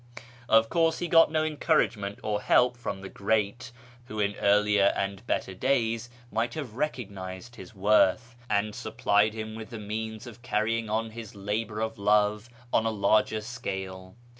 Of course he got no encouragement or help from the great, who in earlier and better days might have recognised his worth, and supplied him with the means of carrying on his labour of love on a larger scale.